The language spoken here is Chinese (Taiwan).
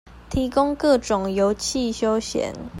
提供各種遊憩休閒